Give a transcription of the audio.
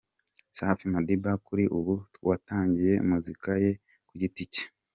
Safi Madiba kuri ubu watangiye muzika ye ku giti cye.